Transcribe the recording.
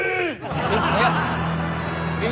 えっ早っ！